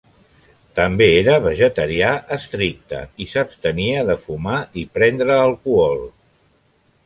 També era vegetarià estricte i s'abstenia de fumar i prendre alcohol.